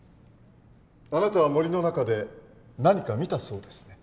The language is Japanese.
あなたは森の中で何か見たそうですね。